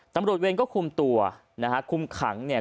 เวรก็คุมตัวนะฮะคุมขังเนี่ย